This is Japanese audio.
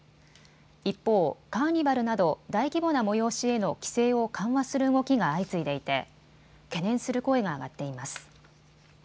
一方、カーニバルなど大規模な催しへの規制を緩和する動きが相次いでいて懸念する声が上がっています。